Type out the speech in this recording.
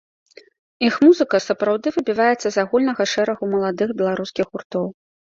Іх музыка сапраўды выбіваецца з агульнага шэрагу маладых беларускіх гуртоў.